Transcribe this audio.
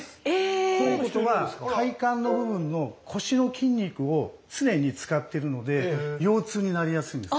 ということは体幹の部分の腰の筋肉を常に使っているので腰痛になりやすいんです。